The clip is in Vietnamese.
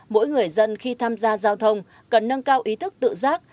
mỗi người dân khi tham gia giao thông cần nâng cao ý thức tự giác